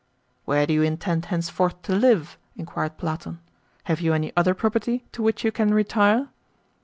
"Where do you intend henceforth to live?" inquired Platon. "Have you any other property to which you can retire?"